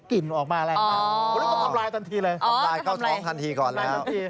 กลิ่นจะออกมาต่อที่เรามีเวลาก็ทำลายทำลายเข้าท้องทันทีก่อนแล้ว